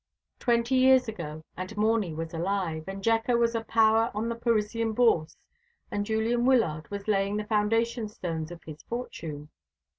Twenty years ago, and Morny was alive, and Jecker was a power on the Parisian Bourse, and Julian Wyllard was laying the foundation stones of his fortune.